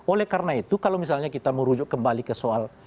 oleh karena itu kalau misalnya kita merujuk kembali ke soal